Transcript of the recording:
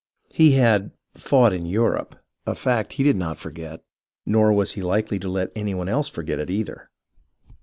He had " fought in Europe," a fact he did not forget, nor was he likely to let any one else forget it either.